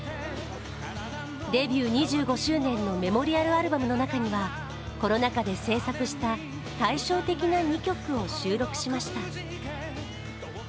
デビュー２５周年のメモリアルアルバムの中にはコロナ禍で制作した対照的な２曲を収録しました。